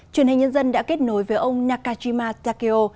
truyền hình nhân dân đã kết nối với ông nakajima takeo